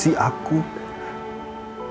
dari sisi keluarga aku ma